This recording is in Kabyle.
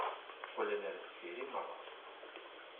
Qqlen ar deffir i meṛṛa.